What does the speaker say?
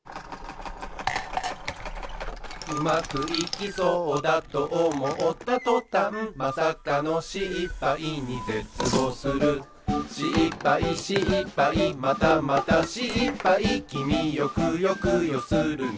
「うまくいきそうだとおもったとたん」「まさかのしっぱいにぜつぼうする」「しっぱいしっぱいまたまたしっぱい」「きみよくよくよするな」